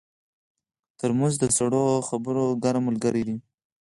ترموز د سړو خبرو ګرم ملګری دی.